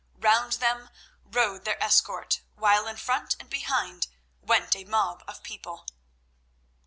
Round them rode their escort, while in front and behind went a mob of people.